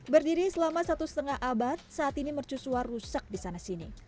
berdiri selama satu setengah abad saat ini mercusua rusak di sana sini